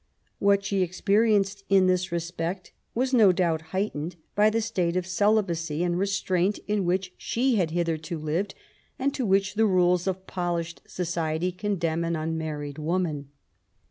What she ex perienced in this respect was no doubt heightened by the state of celibacy and restraint in which she had hitherto lived, and to which the rules of polished society condemn an unmarried woman.